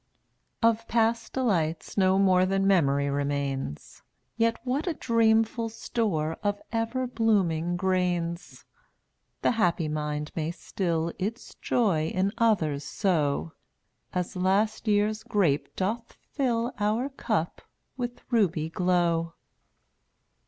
mn$ AVftA? Of past delights no more „ Than memory remains, \J\t$ Yet what a dreamful store Of ever blooming grains ! The happy mind may still Its joy in others sow, As last year's grape doth fill Our cup with ruby glow.